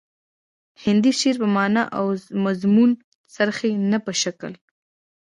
هندي شعر په معنا او مضمون څرخي نه په شکل